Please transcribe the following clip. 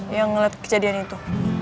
yang ngeliat kejadian itu